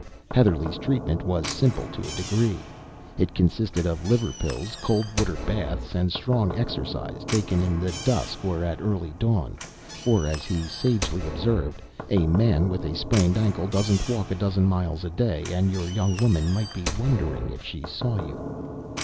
Heatherlegh's treatment was simple to a degree. It consisted of liver pills, cold water baths, and strong exercise, taken in the dusk or at early dawn for, as he sagely observed: "A man with a sprained ankle doesn't walk a dozen miles a day, and your young woman might be wondering if she saw you."